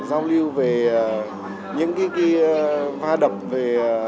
giao lưu về những cái va đập về